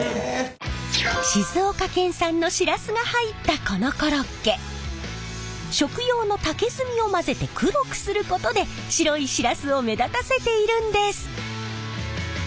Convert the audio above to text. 静岡県産のシラスが入ったこのコロッケ食用の竹炭を混ぜて黒くすることで白いシラスを目立たせているんです！